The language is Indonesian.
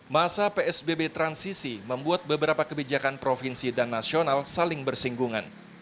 masa psbb transisi membuat beberapa kebijakan provinsi dan nasional saling bersinggungan